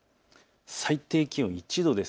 最低気温１度です。